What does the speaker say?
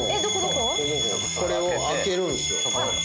これを開けるんですよ。